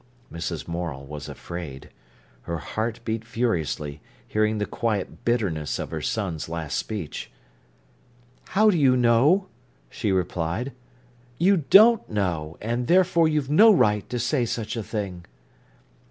Mrs. Morel was afraid. Her heart beat furiously, hearing the quiet bitterness of her son's last speech. "How do you know?" she replied. "You don't know, and therefore you've no right to say such a thing."